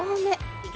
いけ！